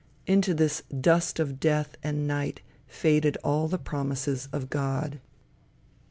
Into this dust of death and night faded all the promises of God.